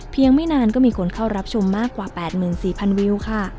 ไม่นานก็มีคนเข้ารับชมมากกว่า๘๔๐๐วิวค่ะ